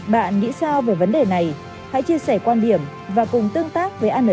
bạn nghĩ sao về vấn đề này hãy chia sẻ quan điểm và cùng tương tác với an